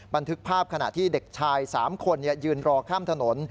บันทึกภาพขณะที่เด็กชาย๓คนยืนรอข้ามถนน